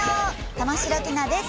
玉城ティナです。